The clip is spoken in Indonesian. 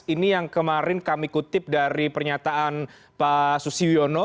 ini yang kemarin kami kutip dari pernyataan pak susiono